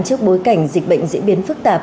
trước bối cảnh dịch bệnh diễn biến phức tạp